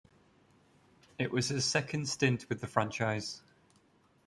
It was his second stint with the franchise.